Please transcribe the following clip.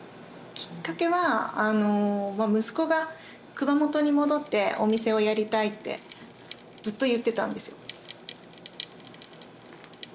きっかけは息子が熊本に戻ってお店をやりたいってずっと言ってたんですよ。